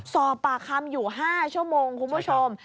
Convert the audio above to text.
สอบปากคำอยู่๕ชั่วโมงคุณผู้ชม